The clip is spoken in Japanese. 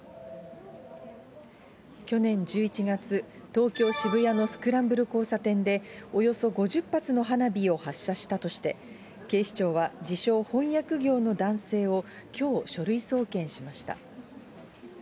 去年１１月、東京・渋谷のスクランブル交差点で、およそ５０発の花火を発射したとして、警視庁は自称翻訳業の男性をきょう書類送検しました。